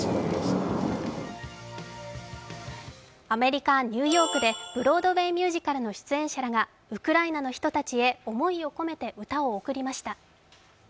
アメリカ・ニューヨークでブロードウェイ・ミュージカルの出演者たちがウクライナの人たちへ思いを込めて歌を贈りました。